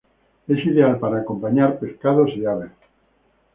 Es ideal para acompañar pescados y aves.